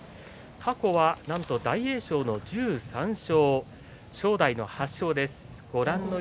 過去はなんと大栄翔の１３勝正代の８勝です。